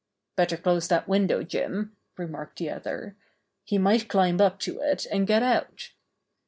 ''Better close that window, Jim," remarked the other. "He might climb up to it and get out."